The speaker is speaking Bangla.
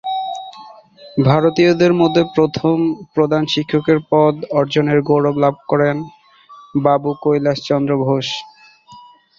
ভারতীয়দের মধ্যে প্রথম প্রধান শিক্ষকের পদ অর্জনের গৌরব লাভ করেন বাবু কৈলাস চন্দ্র ঘোষ।